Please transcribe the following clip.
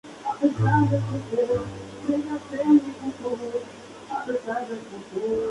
Todas fueron ganadas en ediciones de verano.